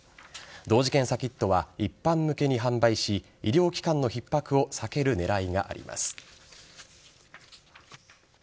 同時検査キットは一般向けに販売し医療機関のひっ迫を避ける狙いがあります。